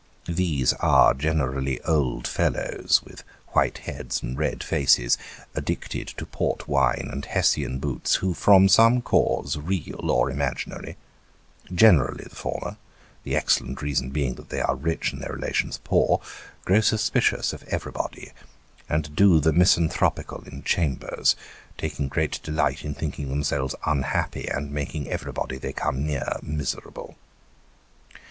These are generally old fellows with white heads and red faces, addicted to port wine and Hessian boots, who from some cause, real or imaginary generally the former, the excellent reason being that they are rich, and their relations poor grow suspicious of everybody, and do the misanthropical in chambers, taking great delight in thinking themselves unhappy, and making everybody they come near, miserable.